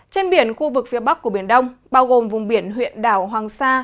trên biển khu vực phía bắc của biển đông bao gồm vùng biển huyện đảo hoàng sa